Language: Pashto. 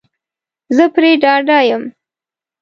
زه پری ډاډه یم